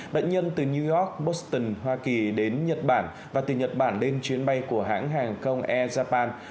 bệnh nhân từ new york boston hoa kỳ đến nhật bản và từ nhật bản lên chuyến bay của hãng hàng không air japan